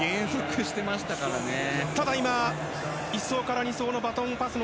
ただ、今１走から２走のバトンパス。